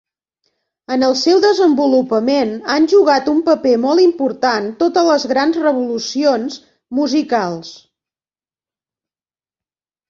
En el seu desenvolupament han jugat un paper molt important totes les grans revolucions musicals.